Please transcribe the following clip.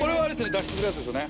脱出するやつですよね？